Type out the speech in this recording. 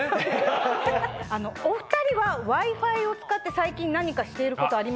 お２人はＷｉ−Ｆｉを使って最近何かしていることありますか？